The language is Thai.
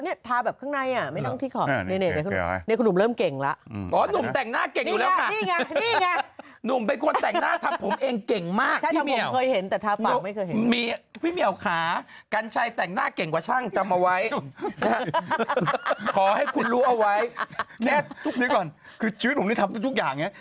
เนี่ยทาแบบข้างในไม่ต้องที่ขอบเน่เน่คุณหนุ่มเริ่มเก่งละ